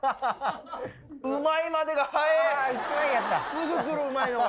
すぐ来るうまいのが！